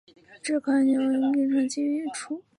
这款游戏的名称基于一出。